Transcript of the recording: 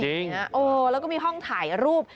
แล้วก็มีห้องถ่ายรูป